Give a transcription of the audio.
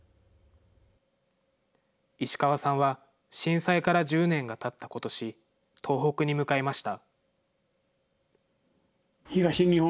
石川さんは震災から１０年がたったことし、東北に向かいました。